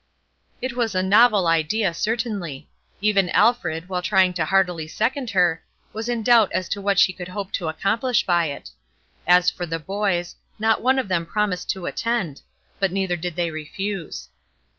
It was a novel idea, certainly. Even Alfred, while trying to heartily second her, was in doubt as to what she could hope to accomplish by it. As for the boys, not one of them promised to attend; but neither did they refuse.